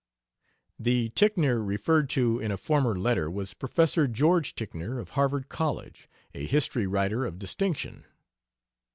The Ticknor referred to in a former letter was Professor George Ticknor, of Harvard College, a history writer of distinction.